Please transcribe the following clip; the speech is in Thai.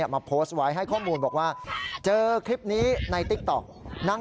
แล้วก็ภาพเกบอยากดัง